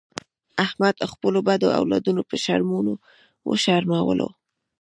احمد خپلو بدو اولادونو په شرمونو و شرمولو.